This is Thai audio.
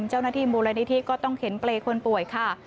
เจ้าหน้าที่มูลนิธิก็ต้องเข็นเปรย์คนป่วยค่ะ